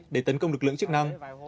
để tấn công lực lượng chức năng